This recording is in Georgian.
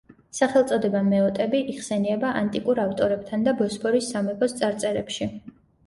სახელწოდება „მეოტები“ იხსენიება ანტიკურ ავტორებთან და ბოსფორის სამეფოს წარწერებში.